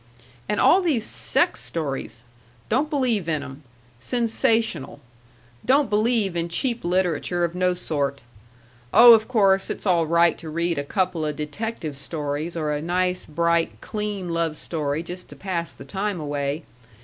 And all these sex stories! Don't believe in 'em! Sensational! Don't believe in cheap literature of no sort.... Oh, of course it's all right to read a coupla detective stories or a nice, bright, clean love story just to pass the time away.